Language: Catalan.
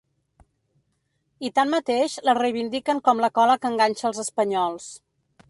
I tanmateix la reivindiquen com la cola que enganxa els espanyols.